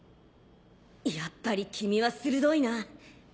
やっぱり君は鋭いなぁ。